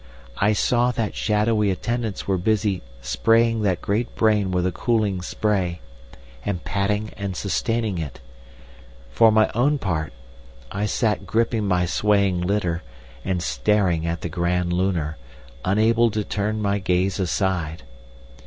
I saw that shadowy attendants were busy spraying that great brain with a cooling spray, and patting and sustaining it. For my own part, I sat gripping my swaying litter and staring at the Grand Lunar, unable to turn my gaze aside.